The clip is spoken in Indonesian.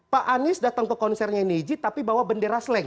pak anies datang ke konsernya niji tapi bawa bendera slang